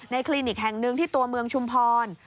คลินิกแห่งหนึ่งที่ตัวเมืองชุมพร